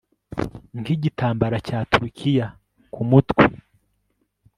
Nkigitambara cya Turukiya kumutwe